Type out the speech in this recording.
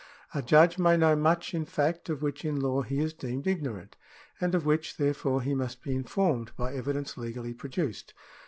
A judge may know much in fact of which in law he is deemed ignorant, and of which, therefore, he must be informed by evidence legally produced.